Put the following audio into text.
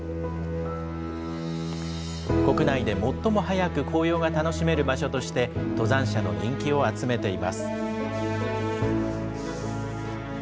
国内で最も早く紅葉が楽しめる場所として登山者の人気を集めています。